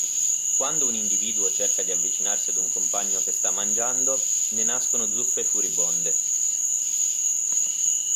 Quando un individuo cerca di avvicinarsi ad un compagno che sta mangiando, ne nascono zuffe furibonde.